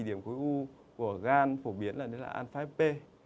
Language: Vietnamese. điểm khối u của gan phổ biến là an năm p